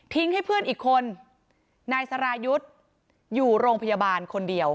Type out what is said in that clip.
ให้เพื่อนอีกคนนายสรายุทธ์อยู่โรงพยาบาลคนเดียว